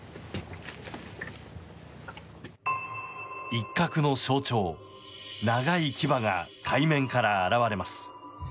イッカクの象徴長い牙が海面から現れます。